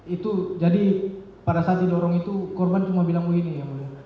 itu jadi pada saat didorong itu korban cuma bilang oh ini ya boleh